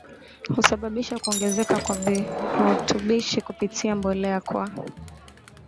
husababisha kuongezeka kwa virutubishi kupitia mbolea kwa